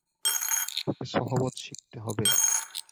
ওকে সহবত শিখতে হবে।